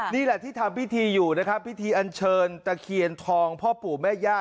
นี่แหละที่ทำพิธีอยู่นะครับพิธีอันเชิญตะเคียนทองพ่อปู่แม่ย่า